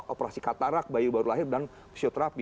operasi katarak bayi baru lahir dan fisioterapi